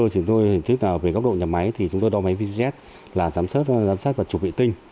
hình thức về góc độ nhà máy thì chúng tôi đo máy vz là giám sát và chụp vệ tinh